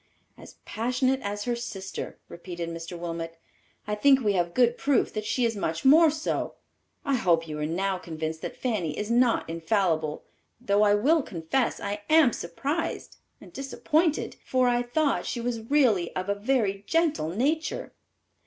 "As passionate as her sister," repeated Mr. Wilmot; "I think we have good proof that she is much more so. I hope you are now convinced that Fanny is not infallible, though I will confess I am surprised and disappointed, for I thought she was really of a very gentle nature."